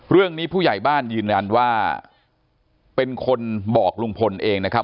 ผู้ใหญ่บ้านยืนยันว่าเป็นคนบอกลุงพลเองนะครับ